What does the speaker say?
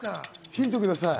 ヒントください。